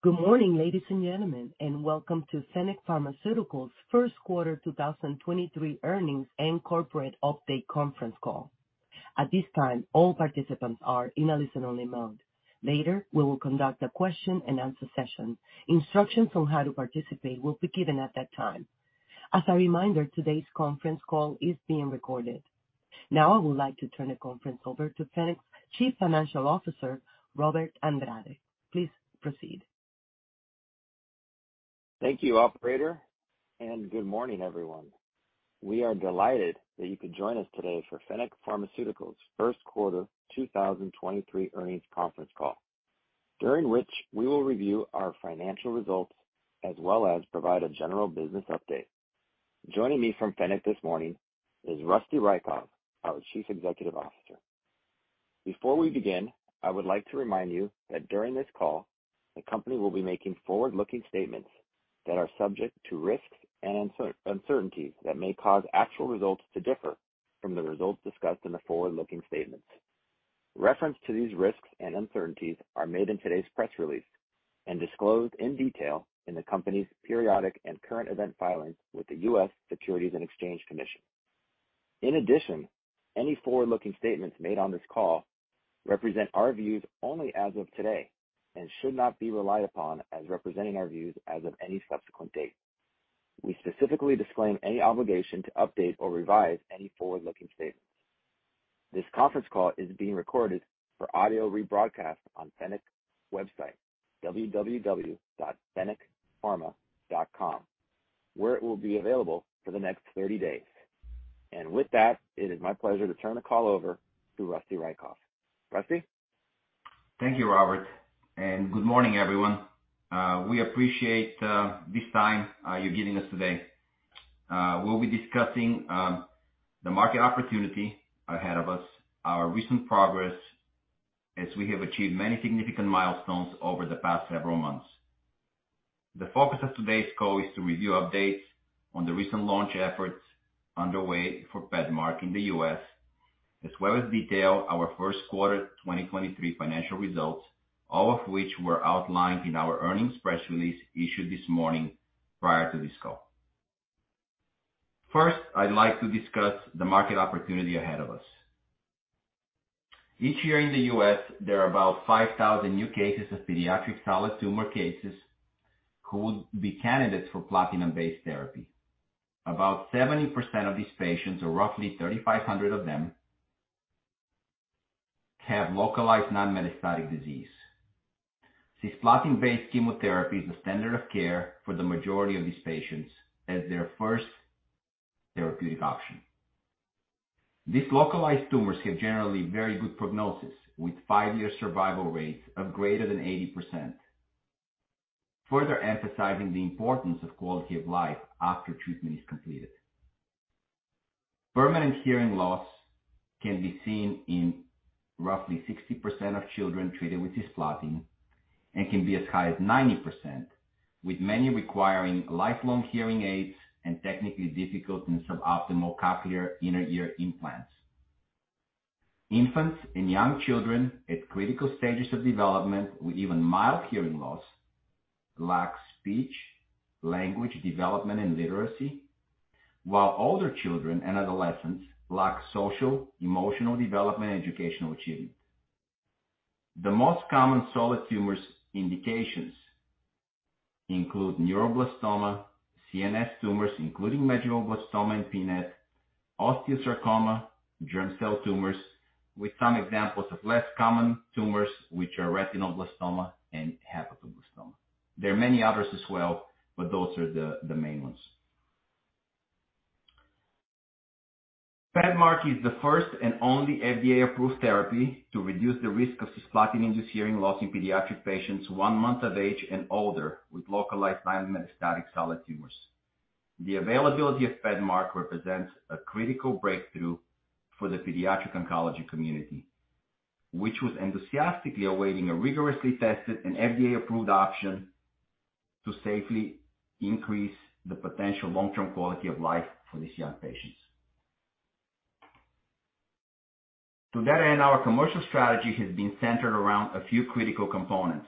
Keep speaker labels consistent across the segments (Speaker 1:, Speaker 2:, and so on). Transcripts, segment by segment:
Speaker 1: Good morning, ladies and gentlemen, and welcome to Fennec Pharmaceuticals first quarter 2023 earnings and corporate update conference call. At this time, all participants are in a listen-only mode. Later, we will conduct a Q&A session. Instructions on how to participate will be given at that time. As a reminder, today's conference call is being recorded. Now, I would like to turn the conference over to Fennec's Chief Financial Officer, Robert Andrade. Please proceed.
Speaker 2: Thank you, operator. Good morning, everyone. We are delighted that you could join us today for Fennec Pharmaceuticals first quarter 2023 earnings conference call, during which we will review our financial results as well as provide a general business update. Joining me from Fennec this morning is Rusty Raykov, our Chief Executive Officer. Before we begin, I would like to remind you that during this call, the company will be making forward-looking statements that are subject to risks and uncertainties that may cause actual results to differ from the results discussed in the forward-looking statements. Reference to these risks and uncertainties are made in today's press release and disclosed in detail in the company's periodic and current event filings with the U.S. Securities and Exchange Commission. In addition, any forward-looking statements made on this call represent our views only as of today and should not be relied upon as representing our views as of any subsequent date. We specifically disclaim any obligation to update or revise any forward-looking statements. This conference call is being recorded for audio rebroadcast on Fennec's website, www.fennecpharma.com, where it will be available for the next 30 days. With that, it is my pleasure to turn the call over to Rusty Raykov. Rusty.
Speaker 3: Thank you, Robert. Good morning, everyone. We appreciate this time you're giving us today. We'll be discussing the market opportunity ahead of us, our recent progress as we have achieved many significant milestones over the past several months. The focus of today's call is to review updates on the recent launch efforts underway for PEDMARK in the U.S., as well as detail our first quarter 2023 financial results, all of which were outlined in our earnings press release issued this morning prior to this call. I'd like to discuss the market opportunity ahead of us. Each year in the U.S., there are about 5,000 new cases of pediatric solid tumor cases who would be candidates for platinum-based therapy. About 70% of these patients, or roughly 3,500 of them, have localized non-metastatic disease. Cisplatin-based chemotherapy is the standard of care for the majority of these patients as their first therapeutic option. These localized tumors have generally very good prognosis, with five-year survival rates of greater than 80%, further emphasizing the importance of quality of life after treatment is completed. Permanent hearing loss can be seen in roughly 60% of children treated with cisplatin and can be as high as 90%, with many requiring lifelong hearing aids and technically difficult and suboptimal cochlear inner ear implants. Infants and young children at critical stages of development with even mild hearing loss lack speech, language development, and literacy, while older children and adolescents lack social, emotional development, and educational achievement. The most common solid tumors indications include neuroblastoma, CNS tumors, including medulloblastoma and PNET, osteosarcoma, germ cell tumors, with some examples of less common tumors which are retinoblastoma and hepatoblastoma. There are many others as well, but those are the main ones. PEDMARK is the first and only FDA-approved therapy to reduce the risk of cisplatin-induced hearing loss in pediatric patients one month of age and older with localized non-metastatic solid tumors. The availability of PEDMARK represents a critical breakthrough for the pediatric oncology community, which was enthusiastically awaiting a rigorously tested and FDA-approved option to safely increase the potential long-term quality of life for these young patients. To that end, our commercial strategy has been centered around a few critical components.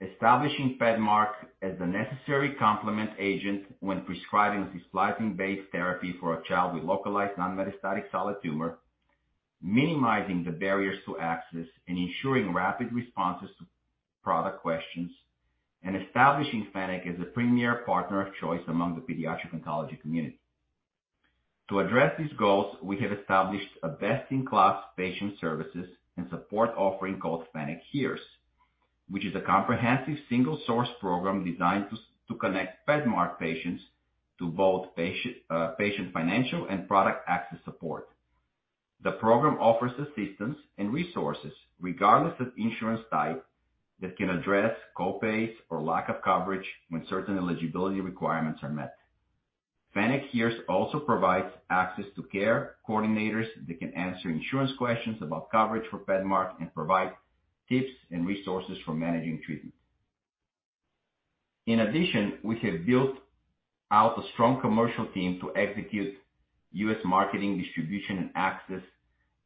Speaker 3: Establishing PEDMARK as the necessary complement agent when prescribing cisplatin-based therapy for a child with localized non-metastatic solid tumor, minimizing the barriers to access and ensuring rapid responses to product questions, and establishing Fennec as a premier partner of choice among the pediatric oncology community. To address these goals, we have established a best-in-class patient services and support offering called Fennec HEARS, which is a comprehensive single source program designed to connect PEDMARK patients to both patient financial and product access support. The program offers assistance and resources regardless of insurance type that can address co-pays or lack of coverage when certain eligibility requirements are met. Fennec HEARS also provides access to care coordinators that can answer insurance questions about coverage for PEDMARK and provide tips and resources for managing treatment. In addition, we have built out a strong commercial team to execute U.S. marketing, distribution, and access,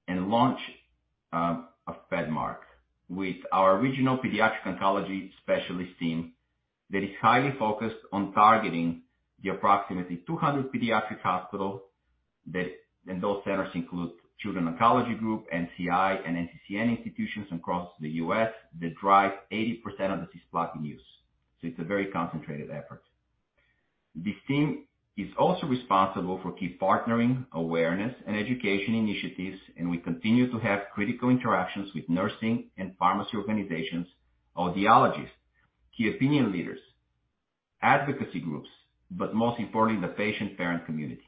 Speaker 3: and launch of PEDMARK with our original pediatric oncology specialist team that is highly focused on targeting the approximately 200 pediatric hospital and those centers include Children's Oncology Group, NCI, and NCCN institutions across the U.S. that drive 80% of the cisplatin use. It's a very concentrated effort. This team is also responsible for key partnering, awareness, and education initiatives. We continue to have critical interactions with nursing and pharmacy organizations, audiologists, key opinion leaders, advocacy groups, but most importantly, the patient-parent community.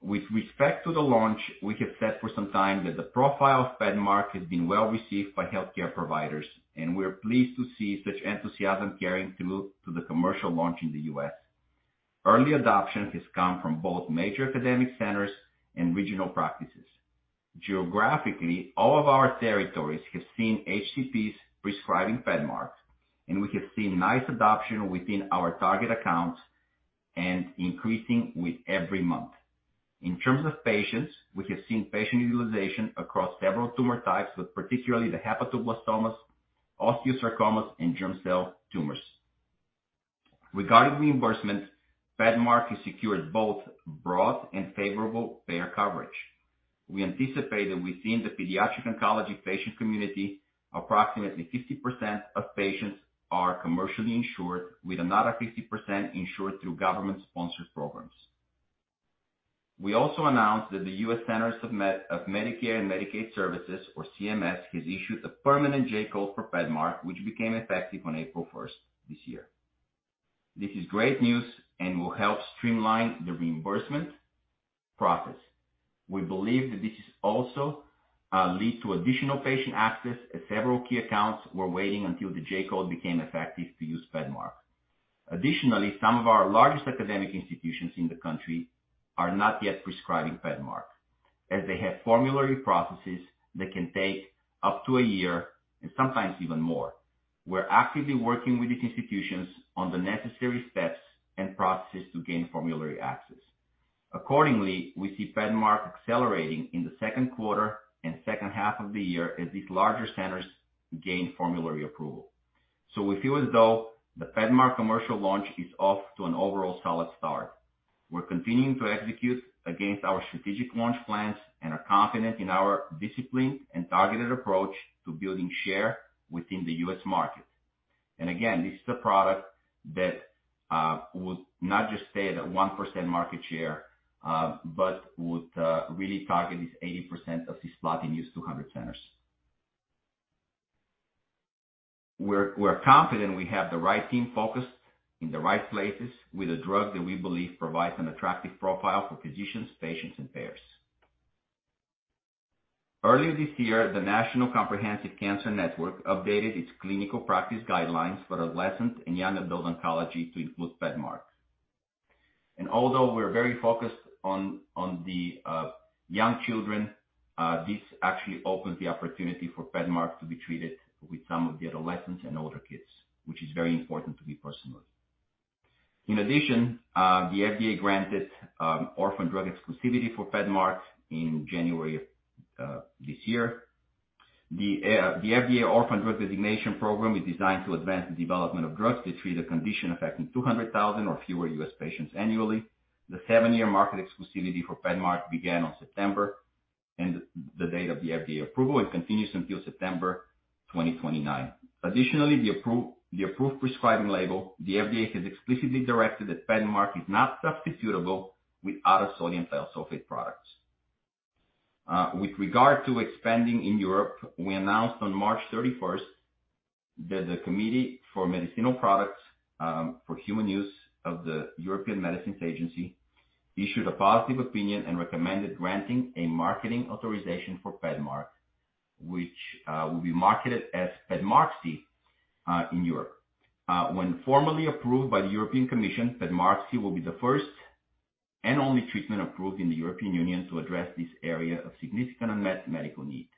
Speaker 3: With respect to the launch, we have said for some time that the profile of PEDMARK has been well received by healthcare providers, and we're pleased to see such enthusiasm carrying through to the commercial launch in the U.S. Early adoption has come from both major academic centers and regional practices. Geographically, all of our territories have seen HCPs prescribing PEDMARK, and we have seen nice adoption within our target accounts and increasing with every month. In terms of patients, we have seen patient utilization across several tumor types, with particularly the hepatoblastomas, osteosarcomas, and germ cell tumors. Regarding reimbursement, PEDMARK has secured both broad and favorable payer coverage. We anticipate that within the pediatric oncology patient community, approximately 50% of patients are commercially insured, with another 50% insured through government-sponsored programs. We also announced that the U.S. Centers for Medicare and Medicaid Services, or CMS, has issued a permanent J-Code for PEDMARK, which became effective on April first this year. This is great news and will help streamline the reimbursement process. We believe that this is also lead to additional patient access, as several key accounts were waiting until the J-Code became effective to use PEDMARK. Additionally, some of our largest academic institutions in the country are not yet prescribing PEDMARK, as they have formulary processes that can take up to a year and sometimes even more. We're actively working with these institutions on the necessary steps and processes to gain formulary access. We see PEDMARK accelerating in the second quarter and second half of the year as these larger centers gain formulary approval. We feel as though the PEDMARK commercial launch is off to an overall solid start. We're continuing to execute against our strategic launch plans and are confident in our disciplined and targeted approach to building share within the U.S. market. Again, this is a product that would not just stay at a 1% market share, but would really target this 80% of cisplatin used to 100 centers. We're confident we have the right team focused in the right places with a drug that we believe provides an attractive profile for physicians, patients, and payers. Earlier this year, the National Comprehensive Cancer Network updated its clinical practice guidelines for adolescent and young adult oncology to include PEDMARK. Although we're very focused on the young children, this actually opens the opportunity for PEDMARK to be treated with some of the adolescents and older kids, which is very important to me personally. In addition, the FDA granted orphan drug exclusivity for PEDMARK in January of this year. The FDA Orphan Drug Designation program is designed to advance the development of drugs to treat a condition affecting 200,000 or fewer U.S. patients annually. The seven-year market exclusivity for PEDMARK began on September and the date of the FDA approval and continues until September 2029. Additionally, the approved prescribing label, the FDA has explicitly directed that PEDMARK is not substitutable with other sodium thiosulfate products. With regard to expanding in Europe, we announced on March 31st that the Committee for Medicinal Products for Human Use of the European Medicines Agency issued a positive opinion and recommended granting a marketing authorization for PEDMARK, which will be marketed as PEDMARQSI in Europe. When formally approved by the European Commission, PEDMARQSI will be the first and only treatment approved in the European Union to address this area of significant unmet medical need.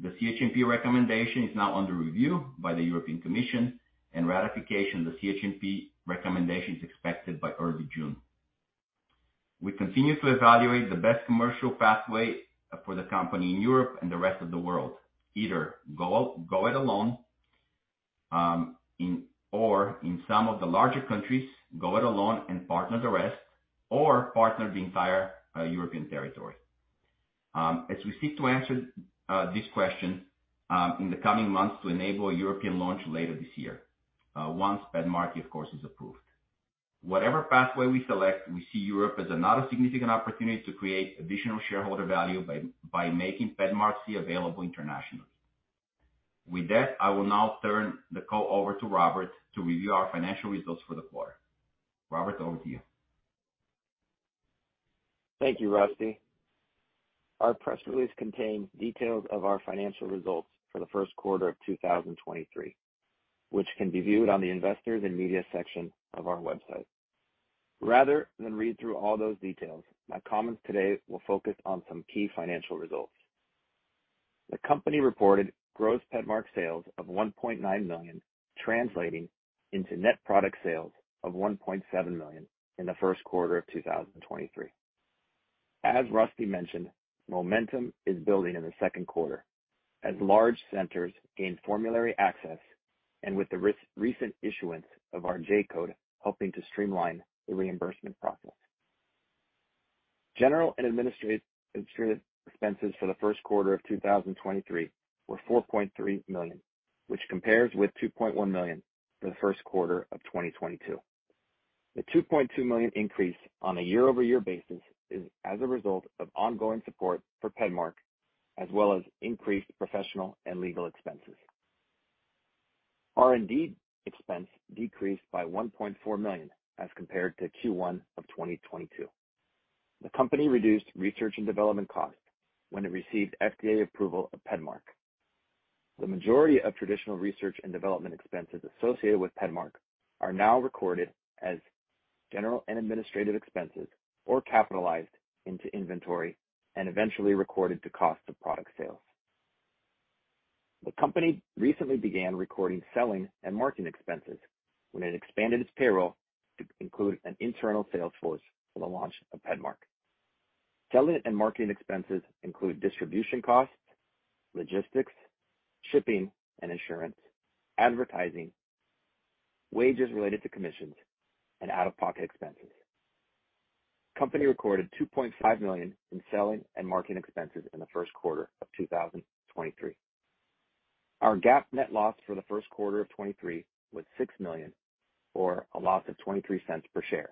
Speaker 3: The CHMP recommendation is now under review by the European Commission. Ratification of the CHMP recommendation is expected by early June. We continue to evaluate the best commercial pathway for the company in Europe and the rest of the world, either go it alone or in some of the larger countries, go it alone and partner the rest or partner the entire European territory. As we seek to answer this question in the coming months to enable a European launch later this year, once PEDMARQSI, of course, is approved. Whatever pathway we select, we see Europe as another significant opportunity to create additional shareholder value by making PEDMARQSI available internationally. With that, I will now turn the call over to Robert to review our financial results for the quarter. Robert, over to you.
Speaker 2: Thank you, Rusty. Our press release contains details of our financial results for the first quarter of 2023, which can be viewed on the Investors and Media section of our website. Rather than read through all those details, my comments today will focus on some key financial results. The company reported gross PEDMARK sales of $1.9 million, translating into net product sales of $1.7 million in the first quarter of 2023. As Rusty mentioned, momentum is building in the second quarter as large centers gain formulary access and with the recent issuance of our J-Code helping to streamline the reimbursement process. General and administrative expenses for the first quarter of 2023 were $4.3 million, which compares with $2.1 million for the first quarter of 2022. The $2.2 million increase on a year-over-year basis is as a result of ongoing support for PEDMARK, as well as increased professional and legal expenses. R&D expense decreased by $1.4 million as compared to Q1 of 2022. The company reduced research and development costs when it received FDA approval of PEDMARK. The majority of traditional research and development expenses associated with PEDMARK are now recorded as general and administrative expenses or capitalized into inventory and eventually recorded to cost of product sales. The company recently began recording selling and marketing expenses when it expanded its payroll to include an internal sales force for the launch of PEDMARK. Selling and marketing expenses include distribution costs, logistics, shipping and insurance, advertising, wages related to commissions, and out-of-pocket expenses. Company recorded $2.5 million in selling and marketing expenses in the first quarter of 2023. Our GAAP net loss for the first quarter of 2023 was $6 million, or a loss of $0.23 per share,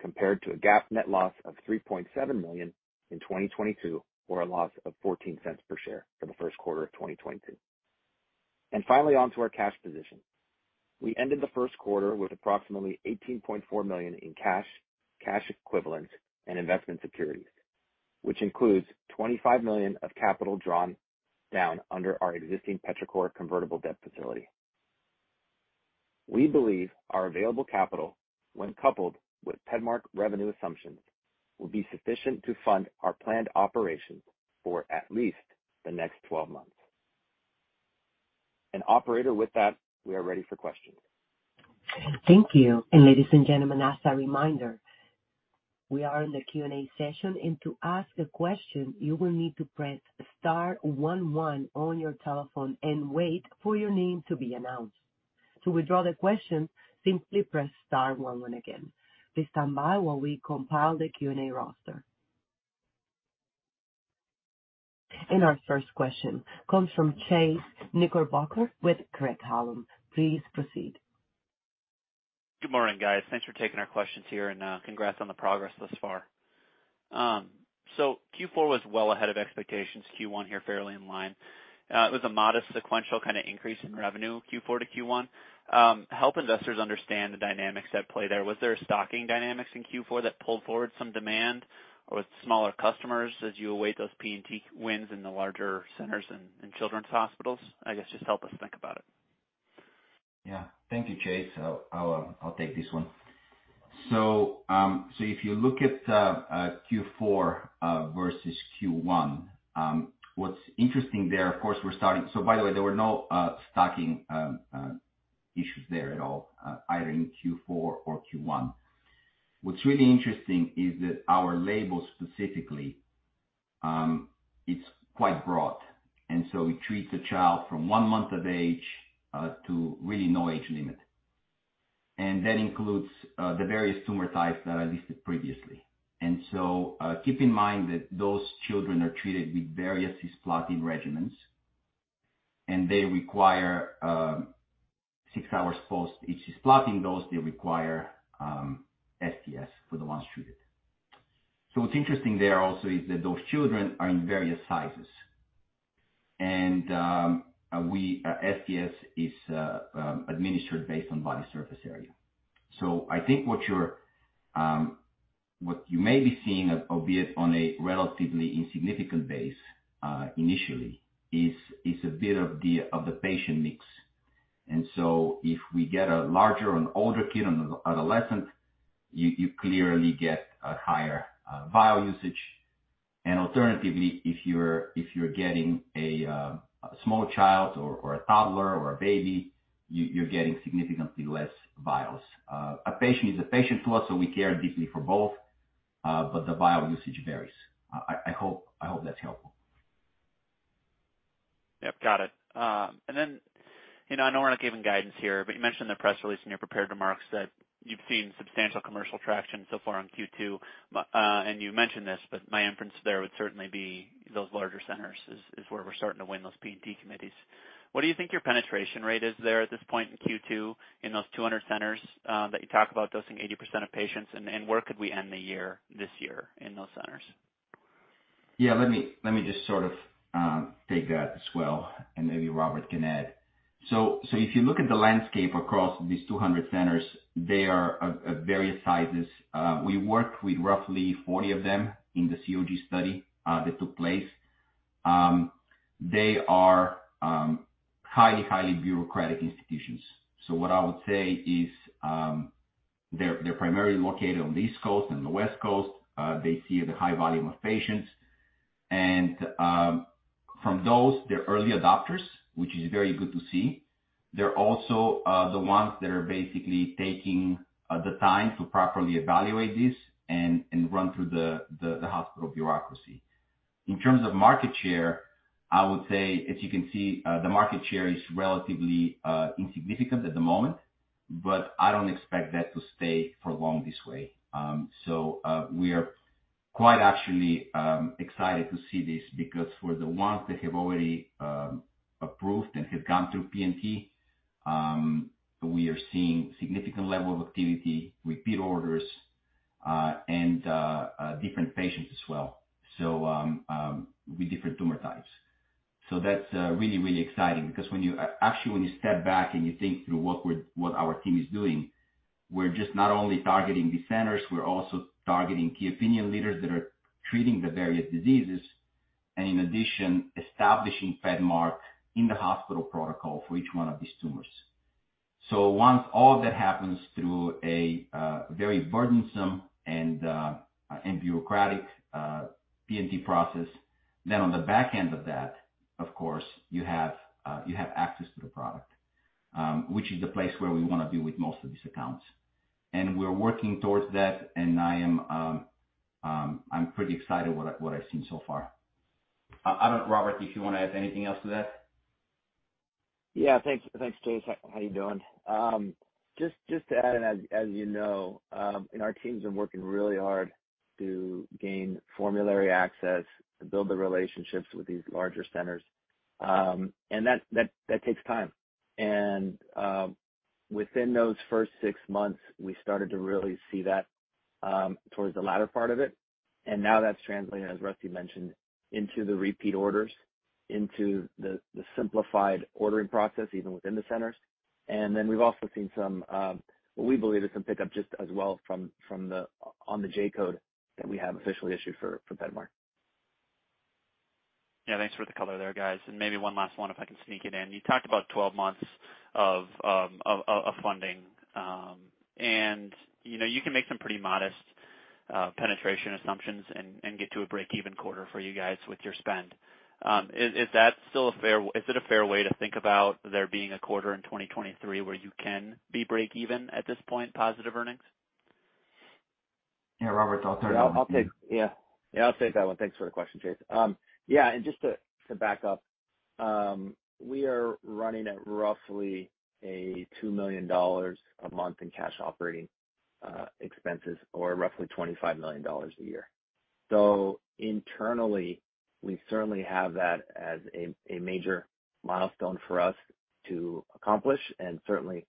Speaker 2: compared to a GAAP net loss of $3.7 million in 2022, or a loss of $0.14 per share for the first quarter of 2022. Finally, on to our cash position. We ended the first quarter with approximately $18.4 million in cash equivalents and investment securities, which includes $25 million of capital drawn down under our existing Petrichor convertible debt facility. We believe our available capital, when coupled with PEDMARK revenue assumptions, will be sufficient to fund our planned operations for at least the next 12 months. Operator, with that, we are ready for questions.
Speaker 1: Thank you. Ladies and gentlemen, as a reminder, we are in the Q&A session. To ask a question, you will need to press star one one on your telephone and wait for your name to be announced. To withdraw the question, simply press star one one again. Please stand by while we compile the Q&A roster. Our first question comes from Chase Knickerbocker with Craig-Hallum. Please proceed.
Speaker 4: Good morning, guys. Thanks for taking our questions here and congrats on the progress thus far. Q4 was well ahead of expectations, Q1 here fairly in line. It was a modest sequential kinda increase in revenue, Q4 to Q1. Help investors understand the dynamics at play there. Was there a stocking dynamic in Q4 that pulled forward some demand or with smaller customers as you await those P&T wins in the larger centers and children's hospitals? I guess, just help us think about it.
Speaker 3: Yeah. Thank you, Chase Knickerbocker. I'll take this one. If you look at Q4 versus Q1, what's interesting there, of course. By the way, there were no stocking issues there at all, either in Q4 or Q1. What's really interesting is that our label specifically, it's quite broad, it treats a child from 1 month of age to really no age limit. That includes the various tumor types that I listed previously. Keep in mind that those children are treated with various cisplatin regimens, and they require six hours post each cisplatin dose, they require SDS for the ones treated. What's interesting there also is that those children are in various sizes. SDS is administered based on body surface area. I think what you're, what you may be seeing, albeit on a relatively insignificant base, initially, is a bit of the patient mix. If we get a larger and older kid, an adolescent, you clearly get a higher vial usage. Alternatively, if you're getting a smaller child or a toddler or a baby, you're getting significantly less vials. A patient is a patient to us, so we care deeply for both, but the vial usage varies. I hope that's helpful.
Speaker 4: Yep, got it. Then, you know, I know we're not giving guidance here, but you mentioned in the press release in your prepared remarks that you've seen substantial commercial traction so far on Q2. You mentioned this, but my inference there would certainly be those larger centers is where we're starting to win those P&T committees. What do you think your penetration rate is there at this point in Q2 in those 200 centers that you talk about dosing 80% of patients? Where could we end the year, this year in those centers?
Speaker 3: Yeah, let me just sort of take that as well. Maybe Robert can add. If you look at the landscape across these 200 centers, they are various sizes. We worked with roughly 40 of them in the COG study that took place. They are highly bureaucratic institutions. What I would say is, they're primarily located on the East Coast and the West Coast. They see the high volume of patients. From those, they're early adopters, which is very good to see. They're also the ones that are basically taking the time to properly evaluate this and run through the hospital bureaucracy. In terms of market share, I would say, as you can see, the market share is relatively insignificant at the moment, but I don't expect that to stay for long this way. We are quite actually excited to see this because we're the ones that have already approved and have gone through P&T. We are seeing significant level of activity, repeat orders, and different patients as well, so with different tumor types. That's really, really exciting because actually, when you step back and you think through what our team is doing, we're just not only targeting these centers, we're also targeting key opinion leaders that are treating the various diseases, and in addition, establishing PEDMARK in the hospital protocol for each one of these tumors. Once all of that happens through a very burdensome and bureaucratic P&T process, then on the back end of that, of course, you have access to the product, which is the place where we wanna be with most of these accounts. We're working towards that, and I am I'm pretty excited what I, what I've seen so far. I don't. Robert, if you wanna add anything else to that.
Speaker 2: Yeah. Thanks, Chase Knickerbocker. How you doing? Just to add in, as you know, our teams have working really hard to gain formulary access, build the relationships with these larger centers. That takes time. Within those first six months, we started to really see that towards the latter part of it. Now that's translated, as Rusty Raykov mentioned, into the repeat orders, into the simplified ordering process, even within the centers. Then we've also seen some what we believe is some pickup just as well from the on the J-Code that we have officially issued for PEDMARK.
Speaker 4: Yeah, thanks for the color there, guys. And maybe one last one, if I can sneak it in. You talked about 12 months of funding. And, you know, you can make some pretty modest penetration assumptions and get to a break-even quarter for you guys with your spend. Is that still a fair way to think about there being a quarter in 2023 where you can be break even at this point, positive earnings?
Speaker 3: Yeah, Robert, I'll turn it over to you.
Speaker 2: I'll take that one. Thanks for the question, Chase. Yeah, just to back up, we are running at roughly $2 million a month in cash operating expenses or roughly $25 million a year. Internally, we certainly have that as a major milestone for us to accomplish and certainly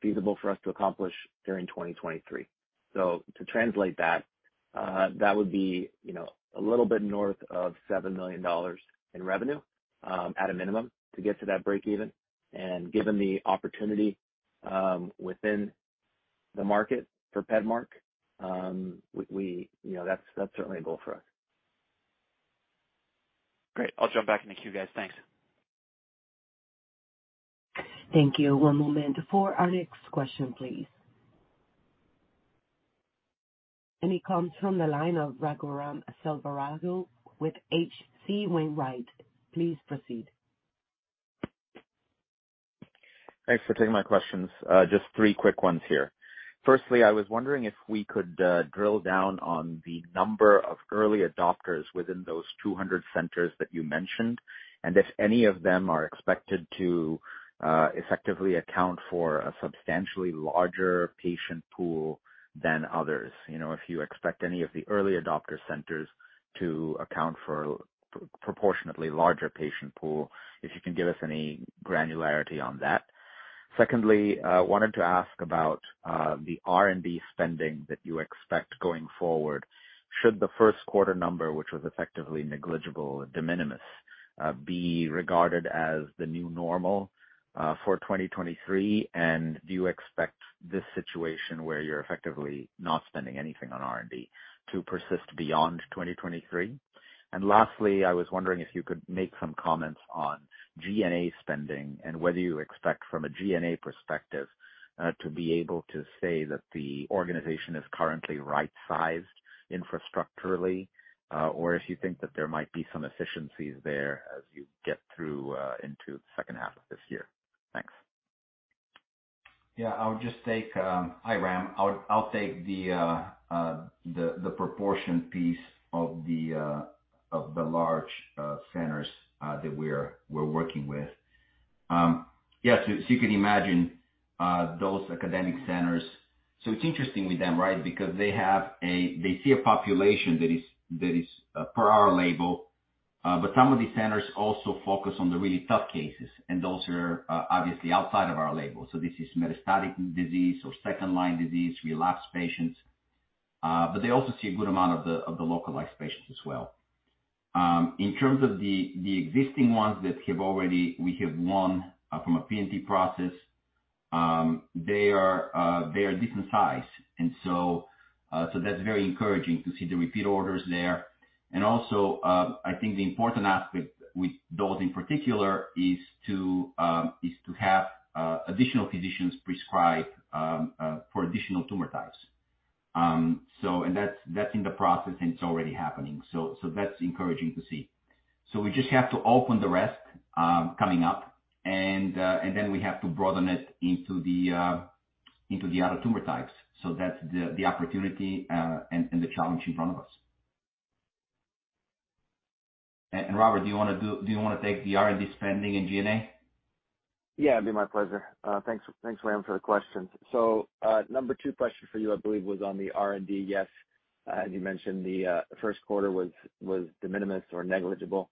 Speaker 2: feasible for us to accomplish during 2023. To translate that would be, you know, a little bit north of $7 million in revenue, at a minimum to get to that break even. Given the opportunity, within the market for PEDMARK, we, you know, that's certainly a goal for us.
Speaker 4: Great. I'll jump back in the queue, guys. Thanks.
Speaker 1: Thank you. One moment for our next question, please. It comes from the line of Raghuram Selvaraju with H.C. Wainwright. Please proceed.
Speaker 5: Thanks for taking my questions. Just three quick ones here. Firstly, I was wondering if we could drill down on the number of early adopters within those 200 centers that you mentioned, and if any of them are expected to effectively account for a substantially larger patient pool than others. You know, if you expect any of the early adopter centers to account for proportionately larger patient pool, if you can give us any granularity on that. Secondly, wanted to ask about the R&D spending that you expect going forward. Should the first quarter number, which was effectively negligible, de minimis, be regarded as the new normal for 2023? Do you expect this situation where you're effectively not spending anything on R&D to persist beyond 2023? Lastly, I was wondering if you could make some comments on G&A spending and whether you expect from a G&A perspective to be able to say that the organization is currently right-sized infrastructurally, or if you think that there might be some efficiencies there as you get through into the second half of this year. Thanks.
Speaker 3: Yeah, I'll just take. Hi, Ram. I'll take the proportion piece of the large centers that we're working with. Yeah, so you can imagine those academic centers. It's interesting with them, right? They see a population that is per our label, but some of these centers also focus on the really tough cases, and those are obviously outside of our label. This is metastatic disease or second-line disease, relapsed patients, but they also see a good amount of the localized patients as well. In terms of the existing ones that we have won from a P&T process, they are different size. That's very encouraging to see the repeat orders there. I think the important aspect with those in particular is to have additional physicians prescribe for additional tumor types. That's, that's in the process, and it's already happening. That's encouraging to see. We just have to open the rest coming up, and then we have to broaden it into the other tumor types. That's the opportunity, and the challenge in front of us. Robert, do you wanna take the R&D spending and G&A?
Speaker 2: Yeah, it'd be my pleasure. Thanks, Graham, for the questions. Number two question for you, I believe, was on the R&D. Yes. You mentioned the first quarter was de minimis or negligible.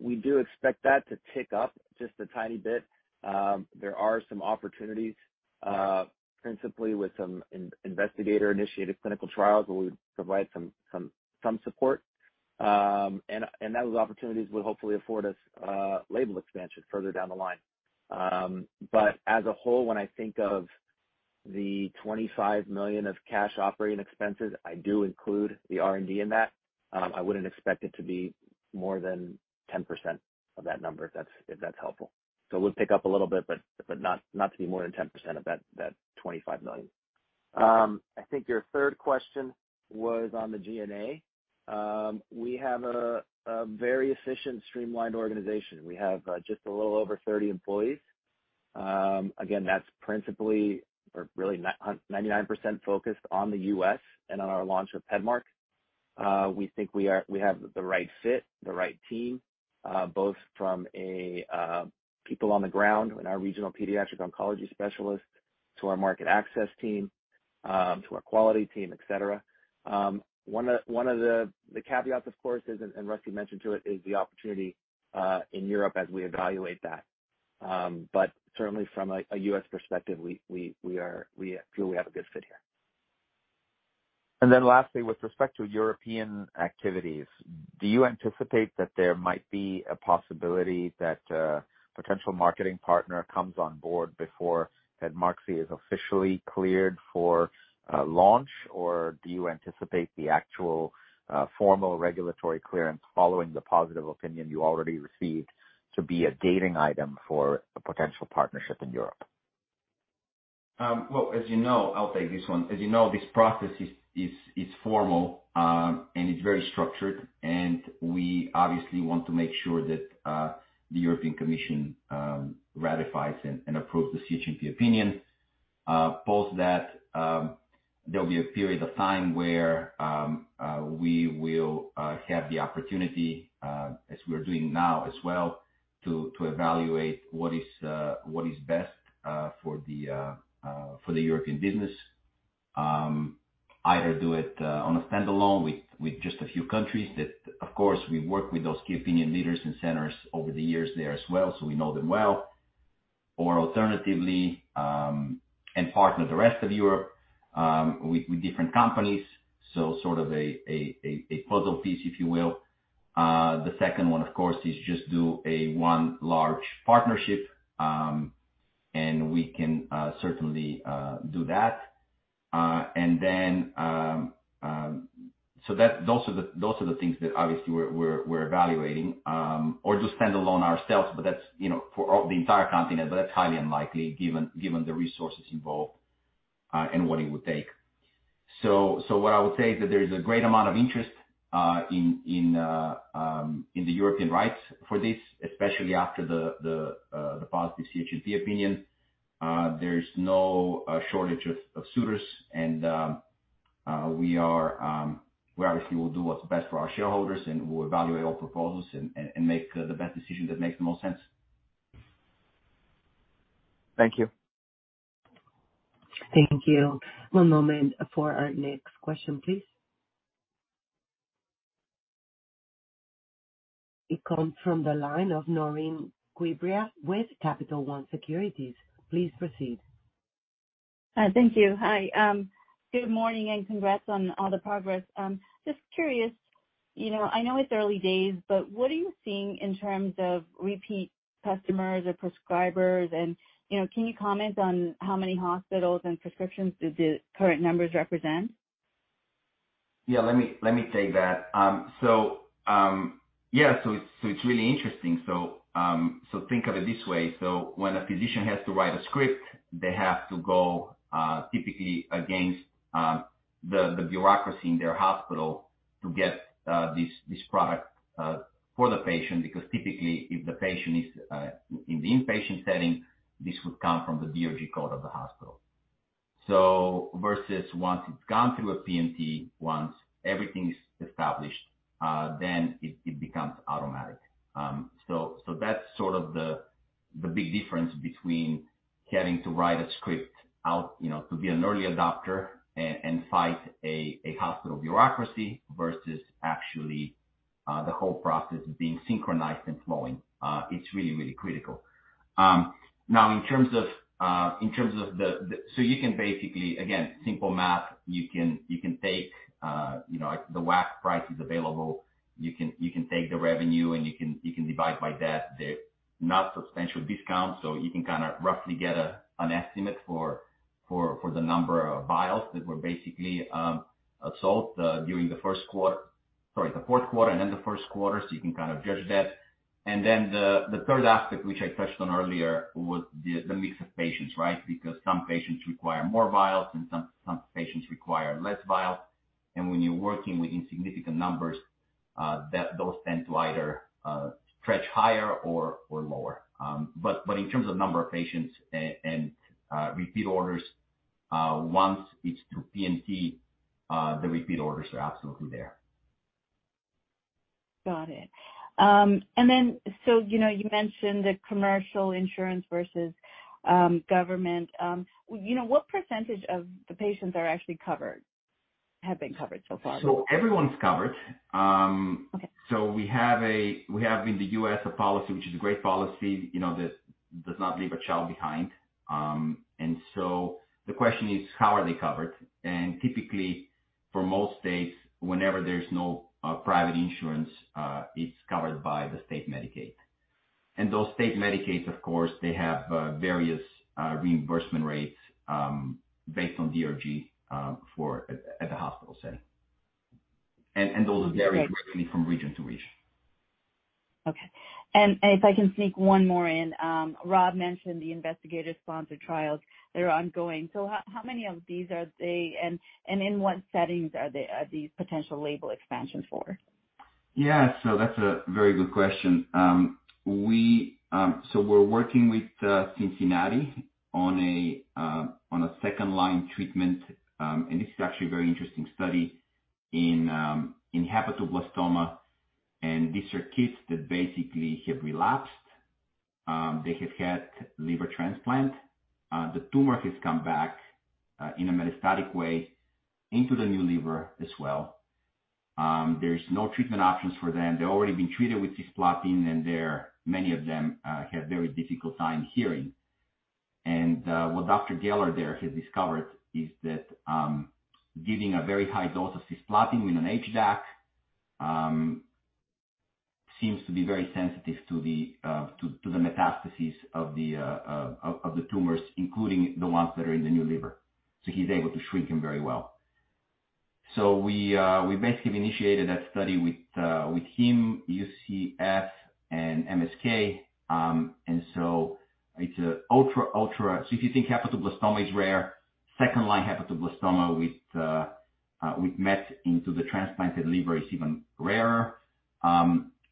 Speaker 2: We do expect that to tick up just a tiny bit. There are some opportunities, principally with some investigator-initiated clinical trials where we provide some support. Those opportunities will hopefully afford us label expansion further down the line. As a whole, when I think of the $25 million of cash operating expenses, I do include the R&D in that. I wouldn't expect it to be more than 10% of that number if that's helpful. It would pick up a little bit, but not to be more than 10% of that $25 million. I think your third question was on the G&A. We have a very efficient, streamlined organization. We have just a little over 30 employees. Again, that's principally or really 99% focused on the U.S. and on our launch of PEDMARK. We think we have the right fit, the right team, both from a people on the ground and our regional pediatric oncology specialist, to our market access team, to our quality team, et cetera. One of, one of the caveats, of course, is, Rusty mentioned to it, is the opportunity in Europe as we evaluate that. Certainly, from a U.S. perspective, we are, we feel we have a good fit here.
Speaker 5: Lastly, with respect to European activities, do you anticipate that there might be a possibility that a potential marketing partner comes on board before PEDMARQSI is officially cleared for launch, or do you anticipate the actual formal regulatory clearance following the positive opinion you already received to be a gating item for a potential partnership in Europe?
Speaker 3: Well, as you know. I'll take this one. As you know, this process is formal, and it's very structured, and we obviously want to make sure that the European Commission ratifies and approves the CHMP opinion. Post that, there'll be a period of time where we will have the opportunity, as we are doing now as well, to evaluate what is best for the European business. Either do it on a standalone with just a few countries that, of course, we work with those key opinion leaders and centers over the years there as well, so we know them well. Alternatively, and partner the rest of Europe with different companies, so sort of a puzzle piece, if you will. The second one, of course, is just do a one large partnership, and we can certainly do that. Then, those are the things that obviously we're evaluating, or just stand alone ourselves, but that's, you know, for all the entire continent, but that's highly unlikely given the resources involved, and what it would take. What I would say is that there is a great amount of interest in the European rights for this, especially after the positive CHMP opinion. There's no shortage of suitors and we are, we obviously will do what's best for our shareholders, and we'll evaluate all proposals and make the best decision that makes the most sense.
Speaker 5: Thank you.
Speaker 1: Thank you. One moment for our next question, please. It comes from the line of Naureen Quibria with Capital One Securities. Please proceed.
Speaker 6: Thank you. Hi. Good morning and congrats on all the progress. Just curious, you know, I know it's early days, but what are you seeing in terms of repeat customers or prescribers? You know, can you comment on how many hospitals and prescriptions do the current numbers represent?
Speaker 3: Let me take that. Yeah, so it's really interesting. Think of it this way. When a physician has to write a script, they have to go, typically against, the bureaucracy in their hospital to get, this product, for the patient, because typically, if the patient is, in the inpatient setting, this would come from the DRG code of the hospital. Versus once it's gone through a P&T, once everything is established, then it becomes automatic. That's sort of the big difference between having to write a script out, you know, to be an early adopter and fight a hospital bureaucracy versus actually, the whole process being synchronized and flowing. It's really, really critical. You can basically, again, simple math, you can, you can take, you know, the WAC price is available. You can, you can take the revenue, and you can, you can divide by that. They're not substantial discounts, so you can kinda roughly get an estimate for the number of vials that were basically sold during the first quarter, sorry, the fourth quarter and then the first quarter, so you can kind of judge that. Then the third aspect, which I touched on earlier, was the mix of patients, right? Because some patients require more vials and some patients require less vials. And when you're working with insignificant numbers, those tend to either stretch higher or lower. In terms of number of patients and repeat orders, once it's through P&T, the repeat orders are absolutely there.
Speaker 6: Got it. You know, you mentioned the commercial insurance versus government. You know, what percentage of the patients are actually covered? Have been covered so far?
Speaker 3: Everyone's covered.
Speaker 6: Okay.
Speaker 3: We have in the U.S. a policy which is a great policy, you know, that does not leave a child behind. The question is how are they covered? Typically, for most states, whenever there's no private insurance, it's covered by the state Medicaid. Those state Medicaids, of course, they have various reimbursement rates, based on DRG, for at the hospital setting. Those are very.
Speaker 6: Okay.
Speaker 3: Different from region to region.
Speaker 6: Okay. If I can sneak one more in. Rob mentioned the investigator-sponsored trials that are ongoing. How many of these are they, and in what settings are they, these potential label expansions for?
Speaker 3: Very good question. We're working with Cincinnati on a second-line treatment. This is actually a very interesting study in hepatoblastoma. These are kids that basically have relapsed. They have had liver transplant. The tumor has come back in a metastatic way into the new liver as well. There's no treatment options for them. They've already been treated with cisplatin, and many of them have very difficult time hearing. What Dr. Geller there has discovered is that giving a very high dose of cisplatin in an HDAC seems to be very sensitive to the metastases of the tumors, including the ones that are in the new liver. He's able to shrink them very well We basically have initiated that study with him, UCF, and MSK. If you think hepatoblastoma is rare, second-line hepatoblastoma with MET into the transplanted liver is even rarer.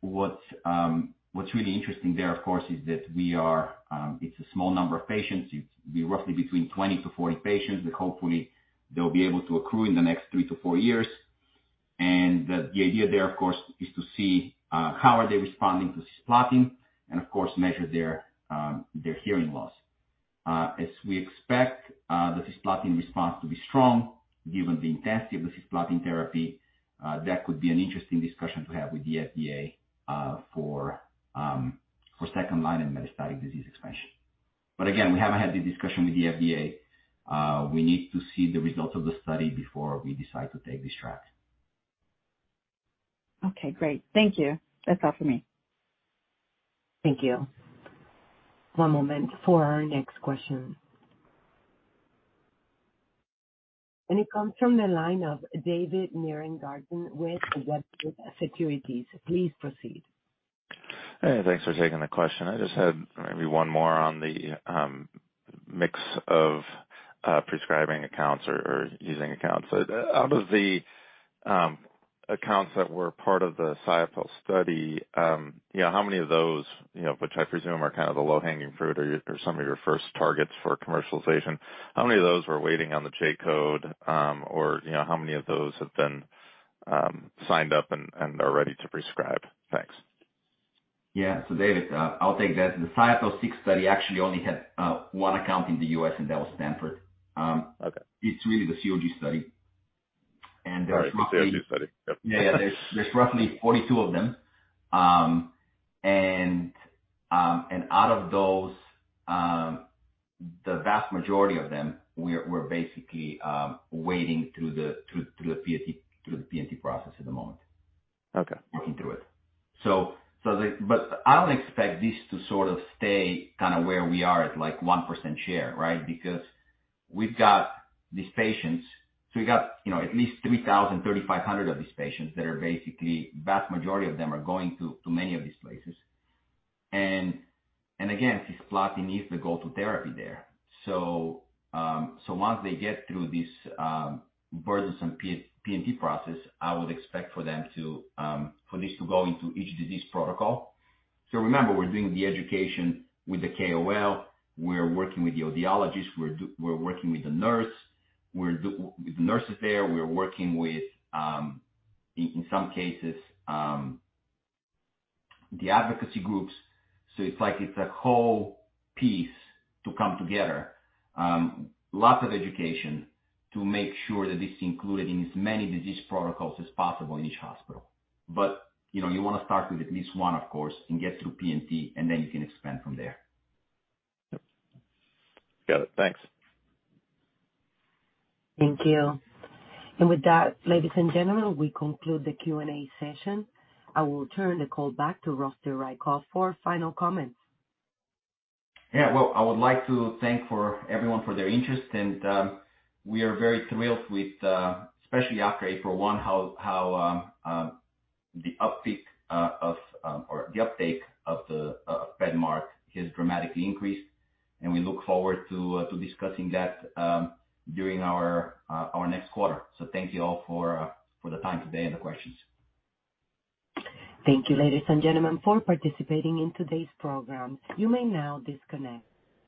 Speaker 3: What's really interesting there, of course, is that we are, it's a small number of patients. It's roughly between 20-40 patients that hopefully they'll be able to accrue in the next three years to four years. The idea there, of course, is to see how they are responding to cisplatin and of course measure their hearing loss. As we expect, the cisplatin response to be strong given the intensity of the cisplatin therapy, that could be an interesting discussion to have with the FDA, for second line and metastatic disease expansion. Again, we haven't had the discussion with the FDA. We need to see the results of the study before we decide to take this track.
Speaker 6: Okay, great. Thank you. That's all for me.
Speaker 1: Thank you. One moment for our next question. It comes from the line of David Nierengarten with Wedbush Securities. Please proceed.
Speaker 7: Hey, thanks for taking the question. I just had maybe one more on the mix of prescribing accounts or using accounts. Out of the accounts that were part of the SIOPEL study, you know, how many of those, you know, which I presume are kind of the low-hanging fruit or some of your first targets for commercialization, how many of those were waiting on the J-Code, or, you know, how many of those have been signed up and are ready to prescribe? Thanks.
Speaker 3: Yeah. David, I'll take that. The SIOPEL 6 study actually only had one account in the U.S., and that was Stanford.
Speaker 7: Okay.
Speaker 3: It's really the COG study. There are roughly.
Speaker 7: All right. The COG study. Yep.
Speaker 3: Yeah. There's roughly 42 of them. Out of those, the vast majority of them we're basically waiting through the P&T process at the moment.
Speaker 7: Okay.
Speaker 3: Working through it. I don't expect this to sort of stay kinda where we are at, like, 1% share, right? We've got these patients. We got, you know, at least 3,000-3,500 of these patients that are basically, vast majority of them are going to many of these places. Again, cisplatin is the go-to therapy there. Once they get through this burdensome P&T process, I would expect for them to for this to go into each disease protocol. Remember, we're doing the education with the KOL. We're working with the audiologists. We're working with the nurse. With the nurses there, we are working with in some cases, the advocacy groups. It's like it's a whole piece to come together. Lots of education to make sure that it's included in as many disease protocols as possible in each hospital. But, you know, you wanna start with at least one, of course, and get through P&T, and then you can expand from there.
Speaker 7: Yep. Got it. Thanks.
Speaker 1: Thank you. With that, ladies and gentlemen, we conclude the Q&A session. I will turn the call back to Rusty Raykov for final comments.
Speaker 3: Well, I would like to thank for everyone for their interest. We are very thrilled with, especially after April 1, how the uptick of or the uptake of the PEDMARK has dramatically increased. We look forward to discussing that during our next quarter. Thank you all for the time today and the questions.
Speaker 1: Thank you, ladies and gentlemen, for participating in today's program. You may now disconnect.